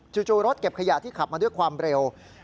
จู่รถเก็บขยะที่ขับมาด้วยความเร็ว